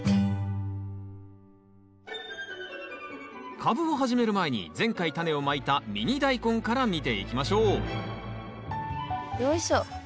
カブを始める前に前回タネをまいたミニダイコンから見ていきましょうよいしょ。